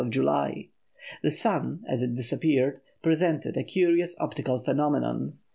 The sun, as it disappeared, presented a curious optical phenomenon.